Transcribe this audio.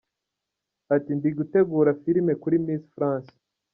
Ati “Ndi gutegura filime kuri Miss France.